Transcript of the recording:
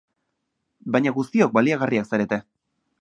Baina guztiok baliagarriak zarete.